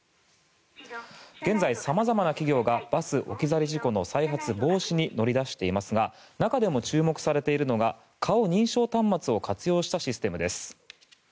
現在、様々な企業がバス置き去り事故の再発防止に乗り出していますが中でも注目されているのが顔認証端末を活用したシステムです。